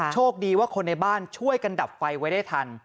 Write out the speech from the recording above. โชคดีว่าคนในบ้านช่วยกันดับไฟไว้ได้ทัน